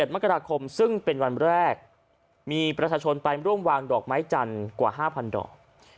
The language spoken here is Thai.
มกราคมซึ่งเป็นวันแรกมีประชาชนไปร่วมวางดอกไม้จันทร์กว่า๕๐๐ดอก